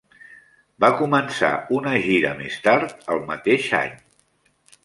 Va començar una gira més tard el mateix any.